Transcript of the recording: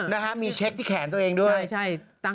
นะฮะมีเช็คที่แขนตัวเองด้วยใช่